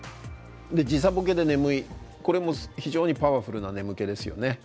時差ボケで眠いこれも非常にパワフルな眠気ですよね。